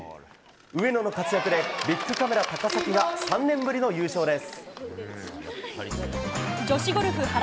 上野の活躍でビックカメラ高崎が３年ぶりの優勝です。